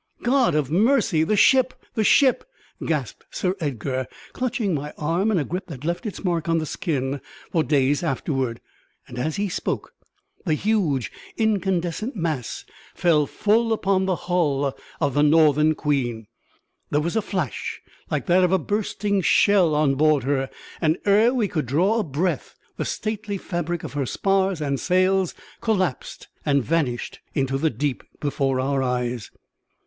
"God of mercy the ship, the ship!" gasped Sir Edgar, clutching my arm in a grip that left its mark on the skin for days afterward; and, as he spoke, the huge incandescent mass fell full upon the hull of the Northern Queen. There was a flash like that of a bursting shell on board her, and ere we could draw a breath the stately fabric of her spars and sails collapsed and vanished into the deep before our eyes!